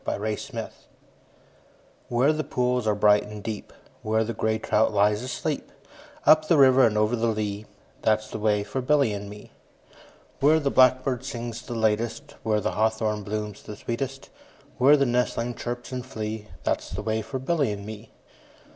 A Boy's Song WHERE the pools are bright and deep, Where the grey trout lies asleep, Up the river and over the lea, That 's the way for Billy and me. Where the blackbird sings the latest, 5 Where the hawthorn blooms the sweetest, Where the nestlings chirp and flee, That 's the way for Billy and me.